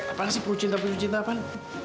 apaan sih penuh cinta penuh cinta apaan